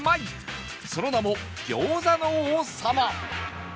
その名も餃子の王さま